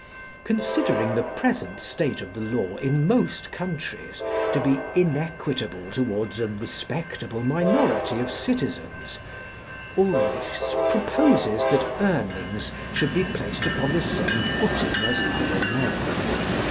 Considering the present state of the law in most countries to be inequitable toward a respectable minority of citizens, Ulrichs proposes that Urnings should be placed upon the same footing as other men.